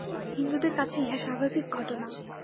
হিন্দুদের কাছে ইহা স্বাভাবিক ঘটনা।